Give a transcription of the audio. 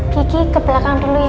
kiki ke belakang dulu ya